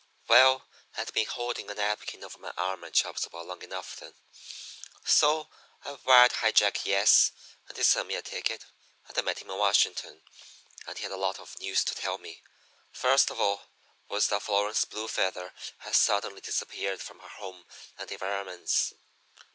"Well, I'd been holding a napkin over my arm at Chubb's about long enough then, so I wired High Jack 'Yes'; and he sent me a ticket, and I met him in Washington, and he had a lot of news to tell me. First of all, was that Florence Blue Feather had suddenly disappeared from her home and environments.